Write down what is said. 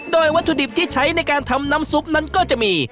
โดยวัตถุดิบที่ใช้ในการทำน้ำซุปนั้นก็จะมี